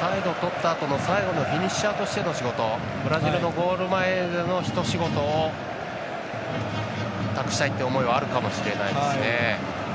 サイドとったあとの最後のフィニッシャーとしての仕事託したいという思いはあるかもしれないですね。